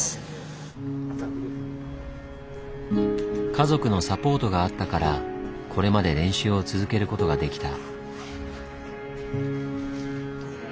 家族のサポートがあったからこれまで練習を続けることができた。